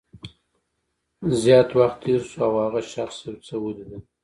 زیات وخت تېر شو او هغه شخص یو څه ولیدل